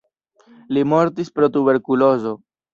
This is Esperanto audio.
Li mortis pro tuberkulozo.